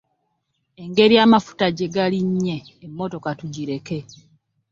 Engeri amafuta gye galinnye emmotoka tugireke.